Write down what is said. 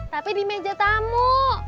tapi di meja tamu